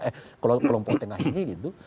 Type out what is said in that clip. eh kelompok tengah ini gitu